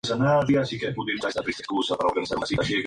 A Paulina le gusta jugar con diferentes personajes en sus videos.